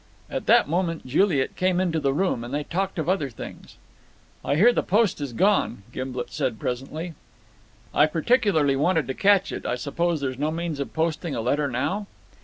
At that moment Juliet came into the room, and they talked of other things. "I hear the post is gone," Gimblet said presently. "I particularly wanted to catch it. I suppose there is no means of posting a letter now?"